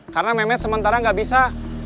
karena mehmet sementara gak bisa